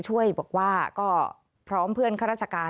ช่วยบอกว่าก็พร้อมเพื่อนข้าราชการ